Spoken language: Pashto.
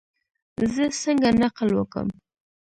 زه څنګه نقل وکم؟